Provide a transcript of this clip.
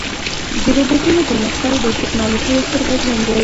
د روبوټونو پرمختګ د ټکنالوژۍ یو ستر بدلون دی.